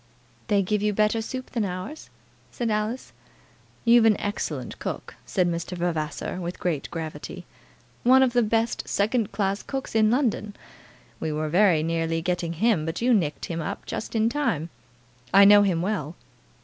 "They give you better soup than ours?" said Alice. "You've an excellent cook," said Mr. Vavasor, with great gravity; "one of the best second class cooks in London. We were very nearly getting him, but you nicked him just in time. I know him well."